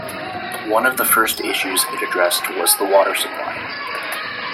One of the first issues it addressed was the water supply.